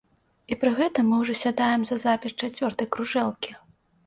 І пры гэтым мы ўжо сядаем за запіс чацвёртай кружэлкі.